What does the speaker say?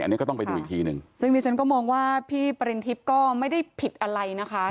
อันนี้ก็ต้องไปดูอีกทีหนึ่งซึ่งดิฉันก็มองว่าพี่ปริณทิพย์ก็ไม่ได้ผิดอะไรนะคะ